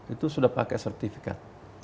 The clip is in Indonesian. itu sudah pakai sertifikat